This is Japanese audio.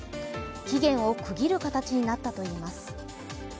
期限を区切る形になったといいます。